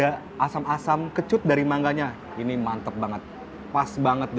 banget jadi gurih pedas terus ada asam asam kecut dari mangganya ini mantep banget pas banget di